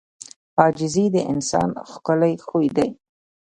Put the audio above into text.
• عاجزي د انسان ښکلی خوی دی.